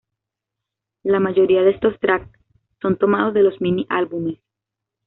La mayoría de estos track son tomados de los mini-álbumes.